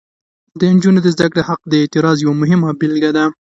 د نجونو د زده کړې حق د اعتراض یوه مهمه بیلګه ده.